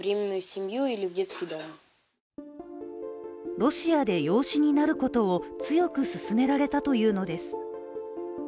ロシアで養子になることを強く勧められたというのです。